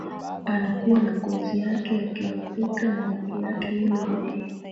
anakuwa na ngozi yake ya kiafrika na rangi yake ile ile